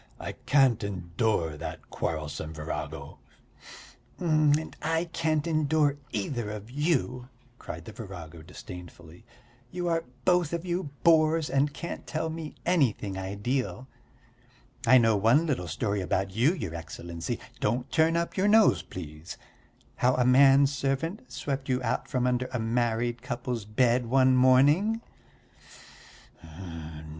I can't endure that quarrelsome virago." "And I can't endure either of you," cried the virago disdainfully. "You are both of you bores and can't tell me anything ideal. I know one little story about you, your Excellency don't turn up your nose, please how a man servant swept you out from under a married couple's bed one morning."